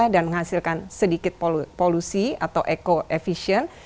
dan menghasilkan sedikit polusi atau eco efficient